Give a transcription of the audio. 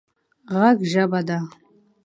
ږغ ژبه ده